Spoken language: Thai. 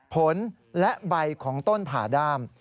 ผลและใบของต้นผ่าด้าม